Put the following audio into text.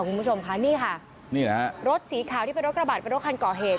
คุณผู้ชมค่ะนี่ค่ะนี่นะฮะรถสีขาวที่เป็นรถกระบาดเป็นรถคันก่อเหตุ